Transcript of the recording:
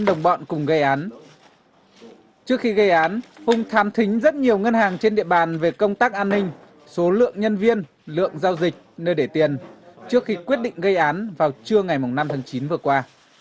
trước khi gây án trước khi gây án hùng tham thính rất nhiều ngân hàng trên địa bàn về công tác an ninh số lượng nhân viên lượng giao dịch nơi để tiền trước khi quyết định gây án vào trưa ngày năm tháng chín vừa qua